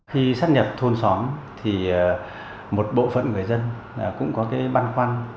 khi sắp nhập thôn xóm thì một bộ phận người dân cũng có cái băn khoăn